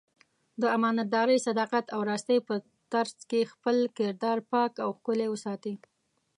د امانتدارۍ، صداقت او راستۍ په ترڅ کې خپل کردار پاک او ښکلی وساتي.